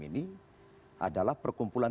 ini adalah perkumpulan